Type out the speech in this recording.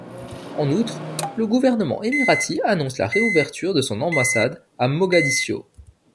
En outre, le gouvernement émirati annonce la réouverture de son ambassade à Mogadiscio.